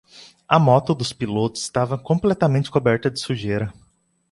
A moto dos pilotos estava completamente coberta de sujeira.